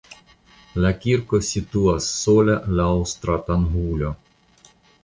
La kirko situas sola laŭ stratangulo.